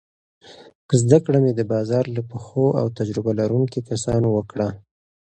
زده کړه مې د بازار له پخو او تجربه لرونکو کسانو وکړه.